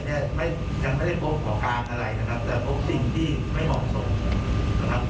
ยังไม่ได้พบขวาคามอะไรนะครับแต่พบสิ่งที่ไม่เหมาะสม